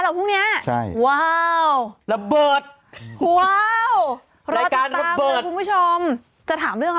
เราจะไปทำพิธีกรเอง